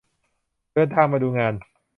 เดินทางมาดูงาน